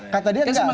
kata dia nggak soalnya